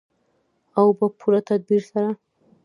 او په پوره تدبیر سره.